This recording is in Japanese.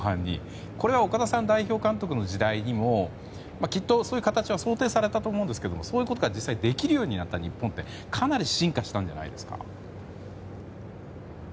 これは、岡田さんが代表監督の時代にもきっとそういう形は想定されたと思うんですがそういうことが実際できるようになった日本ってかなり進化したんじゃないですか？